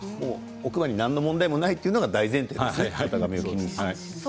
奥歯に何の問題もないというのが大前提ですね。